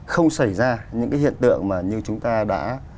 không xảy ra những cái hiện tượng mà như chúng ta đã